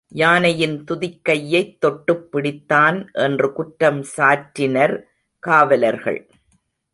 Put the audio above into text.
யானையின் துதிக்கையைத் தொட்டுப் பிடித்தான் என்று குற்றம் சாற்றினர் காவலர்கள்.